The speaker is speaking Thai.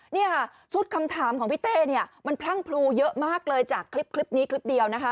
เนี่ยชุดคำถามของพี่เต้เนี่ยมันพลั่งพลูเยอะมากเลยจากคลิปนี้คลิปเดียวนะคะ